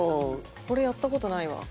「これやった事ないわ」